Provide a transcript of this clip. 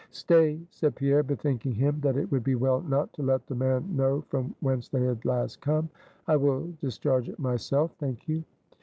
"Stay," said Pierre, bethinking him, that it would be well not to let the man know from whence they had last come, "I will discharge it myself, thank you."